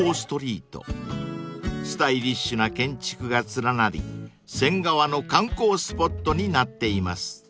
［スタイリッシュな建築が連なり仙川の観光スポットになっています］